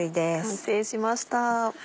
完成しました。